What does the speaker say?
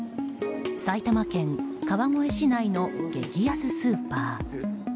埼玉県川越市内の激安スーパー。